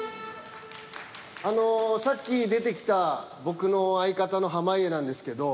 あのさっき出てきた僕の相方の濱家なんですけど。